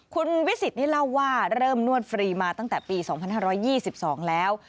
คุณวิสิตนี่เล่าว่าเริ่มนวดฟรีมาตั้งแต่ปี๒๕๒๒แล้ว